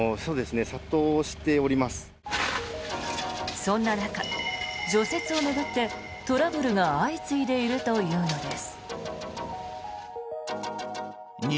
そんな中、除雪を巡ってトラブルが相次いでいるというのです。